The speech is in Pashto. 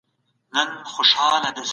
د اوبو څښل د وینې فشار برابروي.